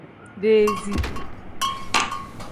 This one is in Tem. Dezii.